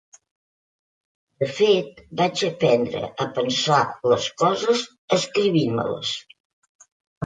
De fet, vaig aprendre a pensar les coses escrivint-me-les.